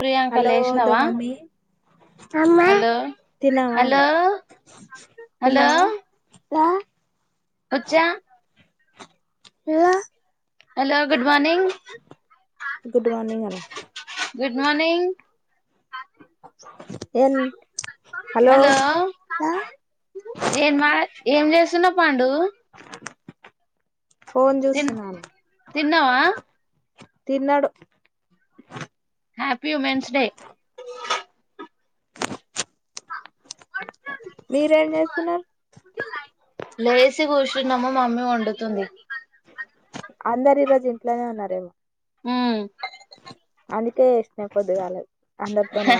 Priyanka hello దో లేష్నవా mummy hello తిన్నావా ను హలో హలో రా వచ్చ ఏదా hello good morning good morning అనా గుడ్ మార్నింగ్ ఎన్ హలో ఏం మా ఏం చేస్సున్నవ్ పండు ఫోన్ చూస్సున్నాను ఉన్నవా తిన్నాడు హ్యాపీ ఉమెన్స్ డే మీరేం చేస్తున్నారు కూషున్న మా మమ్మీ వండుతుంది అందరూ ఈరోజు ఇంట్లోనే ఉన్నారేమో హ్మ్ అందుకే ఎసినే పొద్దుగాలె అందరితోను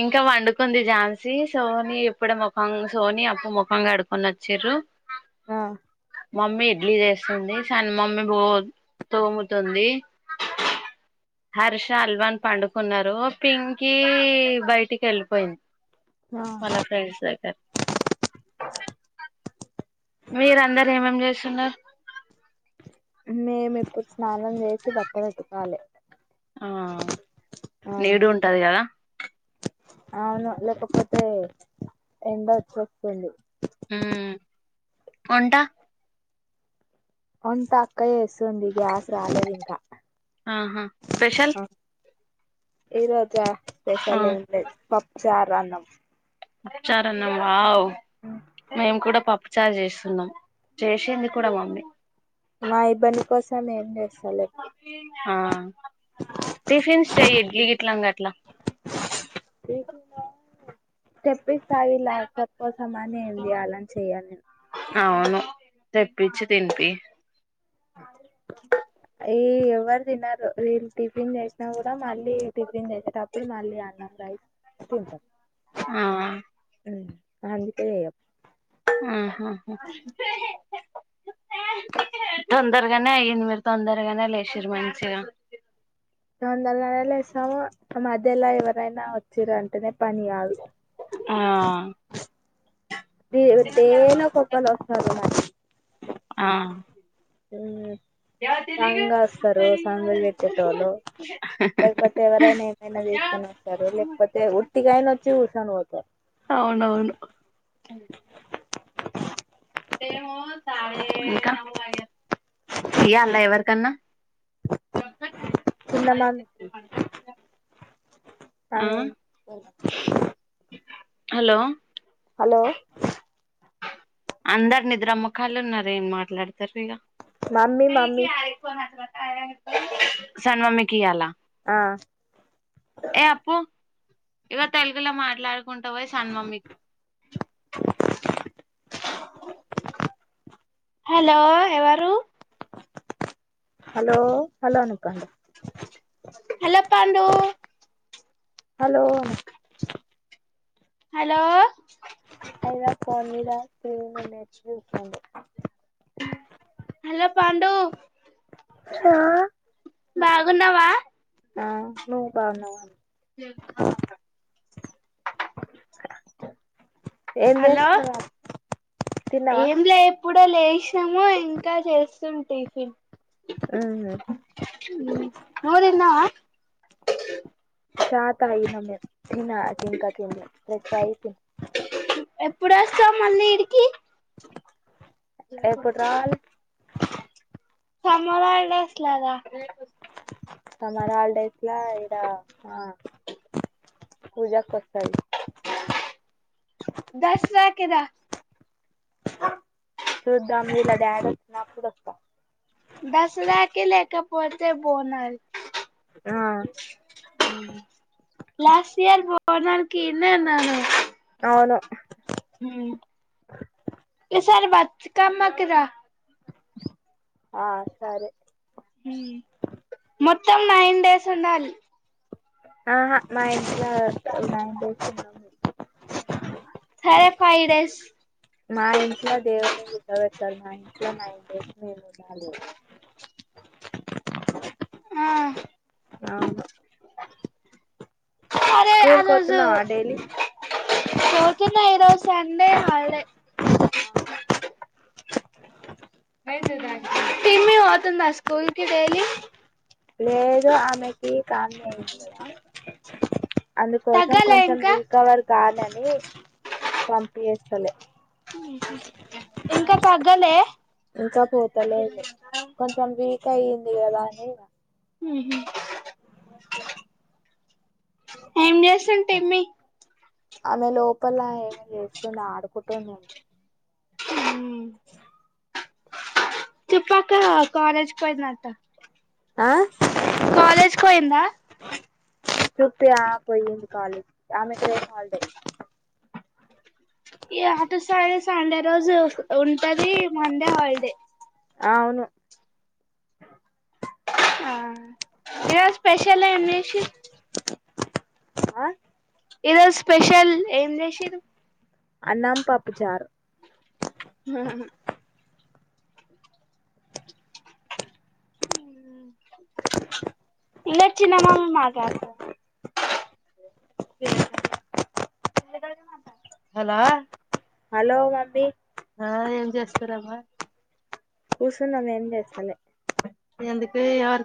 ఇంకా వండుకుంది ఝాన్సీ, సోనీ ఎప్పుడో ముఖం సోని అప్పు ముఖంగడుకొని వచ్చిర్రు. ఆ మమ్మీ ఇడ్లీ చేస్తుంది సన్న మమ్మీ బో తోముతుంది. హర్ష అల్వాన్ పండుకున్నారు పింకీ బయటికి వెళ్ళిపోయింది వాళ్ళ ఫ్రెండ్స్ దగ్గరకి మీరు అందరు ఏమేం చేస్సున్నారు మేం ఇప్ స్నానం జేసి బట్టలు ఉతకాలి ఆ ఆ నీడు ఉంటది కదా అవును లేకపోతే ఎండ ఎక్కువస్తుంది హ్మ్ వంటా వొంట అక్క చేస్సదండి గ్యాస్ రాలేదు ఇంకా ఆహా స్పెషల్ ఈరో జ ఆ స్పెషల్ ఏంలేదు పప్ప్ చారు అన్నం పప్చారు అన్నం వావ్ మేము కూడా పప్ప్ ఇ చార్ చేస్తున్నాం చేసింది కూడా మమ్మీ మా ఇబ్బంది కోసం ఏం లేదు సలేక్ ఆ టిఫిన్స్ చెయ్ ఇడ్లీ ఇట్లాంగా అట్లా టిఫ్ [unintelligible] ఒకరి కోసం మళ్ళీ ఏంది చేయాలని చేయలనేన్ అవును తెప్పించి తినిపి యే ఎవ్వరు తినరు నేం టిఫిన్ చేస్ సిన కూడా మళ్ళీ టిఫిన్ చేసేటప్పుడు మళ్ళీ అన్నం రైస్ తింటా ఆ ఆ మ్మ్ అందుకే యప్ ఆహ హ్ తొందరగానే అయ్యింది మీరు తొందరగానే లేచిరు మంచిగా తొందరగానే లేచినాము ఇక మధ్యలో ఎవరైనా వచ్చిరంటేనేత్ పనిగాదు ఆ ది దేనో కొక్కల వచ్చానే ఉన్నారు ఆ ఉమ్ సాంగా వస్తారు సాంగలు పెట్టేటోళ్ళు లేకపోతే, ఎవరైనా ఏమైనా తీసుకొని వస్తారు. లేకపోతే ఉట్తికైనా వచ్చి చూ స్తాండు ఒకే అవునవును ఇంకా ఇయాల్లన ఎవరకన్నా చిన్న ఆయితే [inaudible] కామి హలో హలో అందరు నిద్ర ముఖాలు ఉన్నారు ఏం మాట్లాడతారు ఇక మమ్మీ మమ్మీ [unintelligible] సన్మమికి ఇయాలా ఆ ఇక తెలుగులో మాట్లాడుకుంటావ సన్మమ్మికి హలో ఎవరు హలో హలో అను అక్క హలో పండు హలో హలో అఐవా ఫోర్మలో స్్రీన్ ఉన్నేటి జూవంది హలో పండు ఆ బాగున్నావా ఆ ను బన్నావా అను ఏం హలో చేస్తున్నావా తిన్నావా ఏం లే ఎప్పుడ లే విషము ఇంకా చేస్తుం టిఫిన్ నువ్వు తిన్నావా ఆ నా చింకా ఏం లే రత్తయితే ఎప్పుడు వస్తావ్ మళ్ళీ ఇడికి ఎప్పుడూ రావాలే సమోళ అలాసలుద సమర్ హాలిడేస్ లా ఏద పూజ వస్త దసరాకి కదా సద్దా అంలీలా దయర నాప్పుడుస్తా బస్రాకి లేకపోతే బోనల్ ఆ లాస్ట్ ఇయర్ బ పోనాకి ఎన్నన్నాను అవును ఈ సారి బతుకమ్మ కి రా ఆ సరే మ్మ్ మొత్తం నైన్ డేస్ ఉండాలి ఆహా మాయ ఇలా నైన్ డేస్ గె బాగు సరే ఫైవ్ డేస్ మా ఇంట్లో దేవుని విగ్రహం పెట్టాలి మా ఇంట్లో నైన్ డేస్ ఉండాలి అవును అరే స్కూల్ కి అరోజు పోతున్నావా డైలీ తోట్లో న్నారో సండే హాలిడే టీమి పోతుందా స్కూల్ కి డైలీ లేదు అమెకి కామిన్లైనై అందుకోసం తగ్గలే కొంచెం ఇంకా రికవర్ కాలండి [unintelligible] ఏ పంపి చలే ఇంక తగ్గలే ఇంకా పోతలేదు కొంచెం వీ ఎక్కువయ్యిందిగానీ హుహు ఏం చేస్తుండి ఏమి ఆమె లోపల ఏంచేస్తుందాడుకుంటు నను చెప్పాక కాలేజ్ పోయిందంట ఆ కాలేజ్కోయిందా చుప్పే [unintelligible] ఆ పోయింది కాలేజ్ ఆమెక్ రేప్ హాల్డే ఏ అత సాల సండ ఈ రోజు ఉంటది మండే హాలిడే ఆ ఔను హా ఈరోజ్ స్పెషలేం జేసీ ఆ ఈరోజ్ స్పెషల్ ఏం జేశారు అన్నాం పప్పుచార్ హాహా ఇదో చిన్నమా మాటదు హ హలో మమ్మీ ఆ ఏం జేస్తరమ్మ కూసున్నం ఎంజేత్తలే అందుకే ఎవరికన్నా